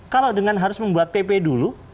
kalau dengan harus membuat pp dulu